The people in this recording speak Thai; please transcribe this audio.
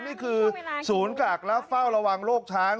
นี่คือศูนย์กักและเฝ้าระวังโรคช้าง